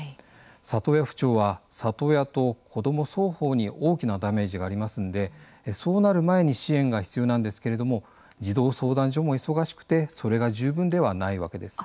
里親不調は里親と子ども双方に大きなダメージがありますんでそうなる前に支援が必要なんですけれども児童相談所も忙しくてそれが十分ではないわけです。